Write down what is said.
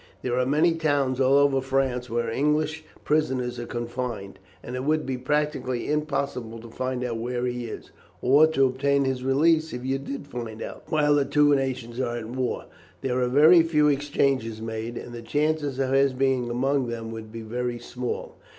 There are many towns all over France where English prisoners are confined, and it would be practically impossible to find out where he is, or to obtain his release if you did find out, while the two nations are at war. There are very few exchanges made, and the chances of his being among them would be very small.